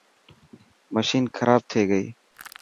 مشين کراب ٿي گئي.